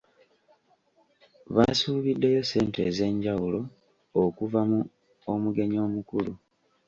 Baasuubiddeyo ssente ez'enjawulo okuva mu omugenyi omukulu.